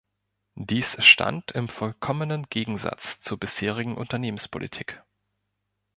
Dies stand im vollkommenen Gegensatz zur bisherigen Unternehmenspolitik.